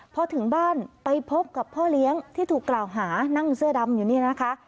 พอถึงบ้านไปพบกับพ่อเลี้ยงที่ถูกกล่าวหานั่งเสื้อดำอยู่นี่นะคะ